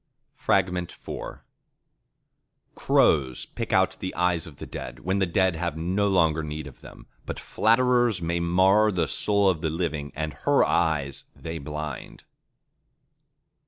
IV Crows pick out the eyes of the dead, when the dead have no longer need of them; but flatterers mar the soul of the living, and her eyes they blind.